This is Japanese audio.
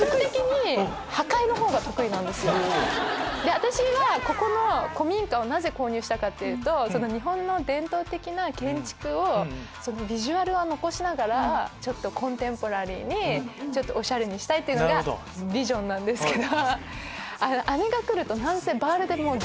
私が古民家をなぜ購入したかっていうと日本の伝統的な建築をビジュアルは残しながらコンテンポラリーにおしゃれにしたいっていうのがビジョンなんですけど。